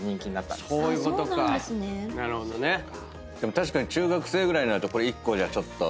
確かに中学生ぐらいになるとこれ１個じゃちょっと。